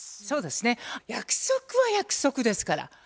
そうですね約束は約束ですから。